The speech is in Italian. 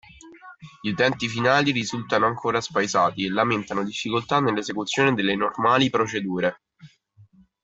Gli utenti finali risultano ancora spaesati e lamentano difficoltà nell'esecuzione delle normali procedure.